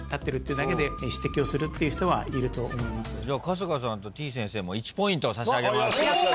じゃあ春日さんとてぃ先生も１ポイント差し上げます。